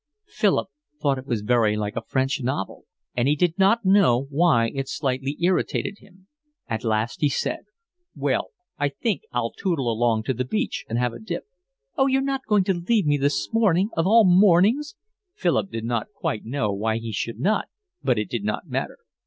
Philip thought it was very like a French novel, and he did not know why it slightly irritated him. At last he said: "Well, I think I'll tootle along to the beach and have a dip." "Oh, you're not going to leave me this morning—of all mornings?" Philip did not quite know why he should not, but it did not matter.